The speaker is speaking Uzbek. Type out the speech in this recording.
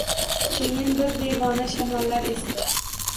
Keyin bir devona shamollar esdi